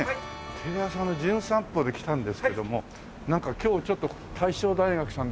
テレ朝の『じゅん散歩』で来たんですけどもなんか今日ちょっと大正大学さんで色んなお話を。